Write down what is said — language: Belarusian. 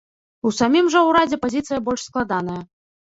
У самім жа ўрадзе пазіцыя больш складаная.